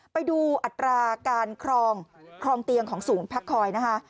ไปดูอัตราการครองเตียงของศูนย์พักคอยนะคะ